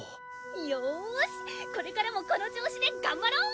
よしこれからもこの調子で頑張ろう！